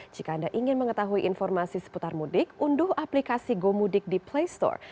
jika anda ingin mengetahui informasi seputar mudik unduh aplikasi gomudik di play store